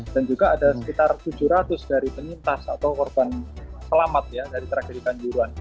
dan juga ada sekitar tujuh ratus dari penyintas atau korban selamat ya dari tragedi kanjuruan